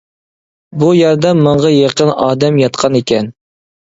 بۇ يەردە مىڭغا يېقى ئادەم ياتقانىكەن.